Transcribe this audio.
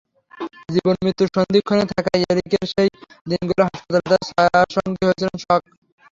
জীবনমৃত্যুর সন্ধিক্ষণে থাকা এরিকের সেই দিনগুলোয় হাসপাতালে তাঁর ছায়াসঙ্গী হয়েছিলেন সক।